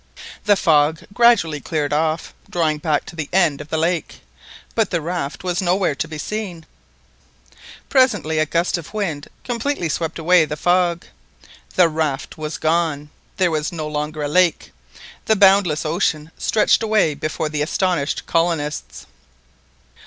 The fog gradually cleared off, drawing back to the end of the lake, but the raft was nowhere to be seen. Presently a gust of wind completely swept away the fog. The raft was gone! There was no longer a lake! The boundless ocean stretched away before the astonished colonists!